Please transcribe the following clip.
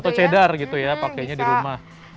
atau cedar gitu ya pakainya di rumah